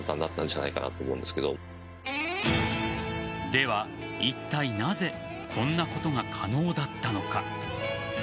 では、いったいなぜこんなことが可能だったのか。